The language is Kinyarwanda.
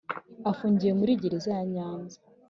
afungiye muri Gereza ya Nyanza